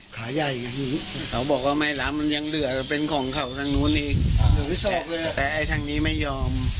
ขาใหญ่อย่างนี้เขาบอกว่าไม่ล้ำมันยังเหลือเป็นของเขาทางนู้นอีกแต่ไอ้ทางนี้ไม่ยอม